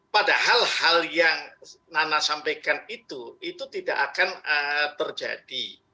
padahal hal yang nana sampaikan itu itu tidak akan terjadi